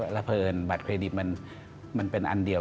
แล้วเพอิญบัตรเครดิตมันเป็นอันเดียว